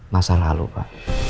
masa lalu pak